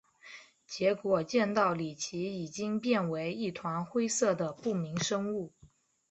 结果见到李奇已经变为一团灰色的不明生物。